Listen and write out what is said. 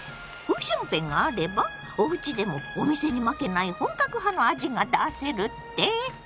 「五香粉があればおうちでもお店に負けない本格派の味が出せる」って⁉